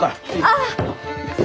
ああ？